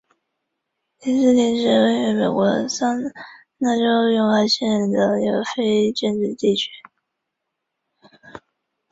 清朝第六代车臣汗。